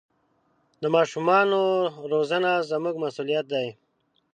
د ماشومانو روزنه زموږ مسوولیت دی.